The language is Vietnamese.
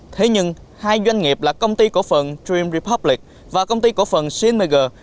thế nhưng hai doanh nghiệp là công ty cổ phần dream republic và công ty cổ phần sinmager